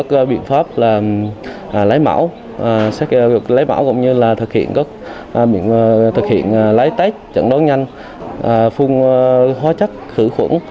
lấy mẫu cũng như là thực hiện lái test trận đoán nhanh phung hóa chất khử khuẩn